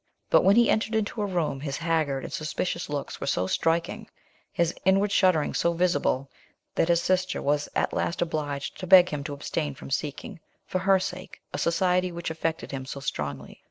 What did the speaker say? But when he entered into a room, his haggard and suspicious looks were so striking, his inward shudderings so visible, that his sister was at last obliged to beg of him to abstain from seeking, for her sake, a society which affected him so strongly.